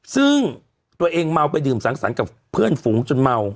ซึ่งตัวเองเมาไปดื่มสังสรรค์กับเพื่อนฝูงจนเมา